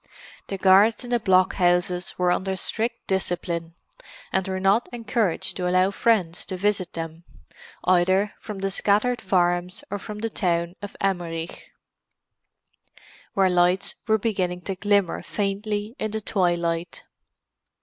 The guards in the blockhouses were under strict discipline, and were not encouraged to allow friends to visit them, either from the scattered farms or from the town of Emmerich, where lights were beginning to glimmer faintly in the twilight.